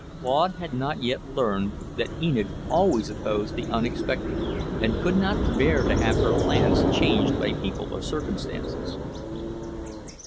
Claude had not yet learned that Enid always opposed the unexpected, and could not bear to have her plans changed by people or circumstances.